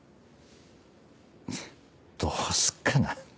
どうすっかな。